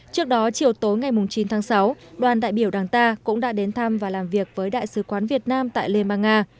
trước đó chiều tối ngày chín tháng sáu đoàn đại biểu đảng ta cũng đã đến thăm và làm việc với đại sứ quán việt nam tại liên bang nga